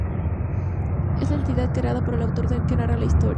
Es la entidad, creada por el autor, que narra la historia.